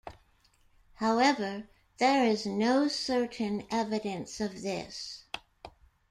However, there is no certain evidence of this.